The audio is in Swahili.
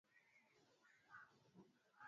Alikuwa baharia na mpelelezi kutoka nchini Ureno